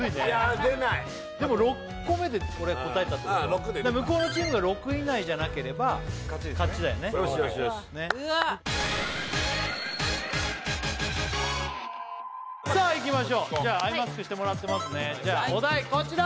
６で出た向こうのチームが６以内じゃなければ勝ちだよねよしよしよしさあいきましょうじゃあアイマスクしてもらってますねじゃあお題こちら！